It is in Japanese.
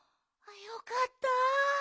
よかった。